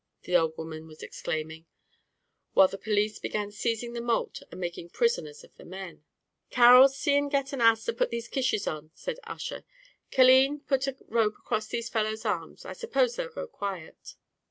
the old woman was exclaiming, while the police began seizing the malt and making prisoners of the men. "Carol, see and get an ass to put these kishes on," said Ussher. "Killeen, pass a rope across these fellows' arms; I suppose they'll go quiet."